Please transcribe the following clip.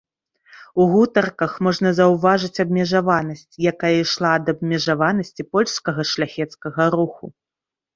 У гутарках можна заўважыць абмежаванасць, якая ішла ад абмежаванасці польскага шляхецкага руху.